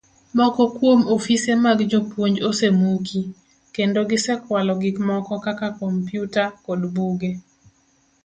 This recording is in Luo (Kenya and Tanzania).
Moko kuom ofise mag jopuonj osemuki, kendo gisekwalo gik moko kaka kompyuta kod buge